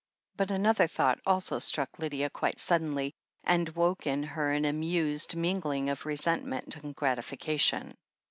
But another thought also struck Lydia quite sud denly, and woke in her an amused mingling of resent ment and gratification.